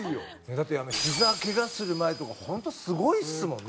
だってひざケガする前とか本当すごいっすもんね。